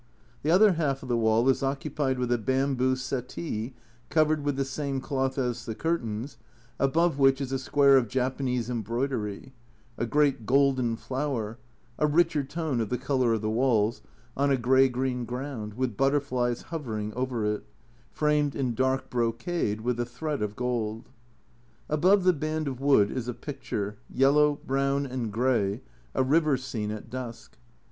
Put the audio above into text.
220 A Journal from Japan The other half of the wall is occupied with a bamboo settee, covered with the same cloth as the curtains, above which is a square of Japanese embroidery a great golden flower (a richer tone of the colour of the walls) on a grey green ground, with butterflies hovering over it framed in dark brocade with a thread of gold. Above the band of wood is a picture, yellow, brown, and grey, a river scene at dusk.